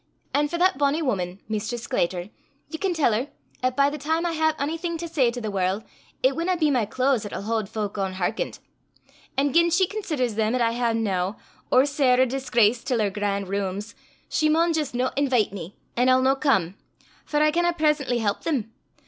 An' for that bonnie wuman, Mistress Scletter, ye can tell her, 'at by the time I hae onything to say to the warl', it winna be my claes 'at'll haud fowk ohn hearkent; an' gien she considers them 'at I hae noo, ower sair a disgrace till her gran' rooms, she maun jist no inveet me, an' I'll no come; for I canna presently help them.